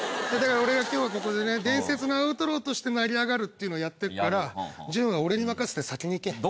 だから俺が今日はここでね伝説のアウトローとして成り上がるっていうのをやっていくから潤は俺に任せて先に行け。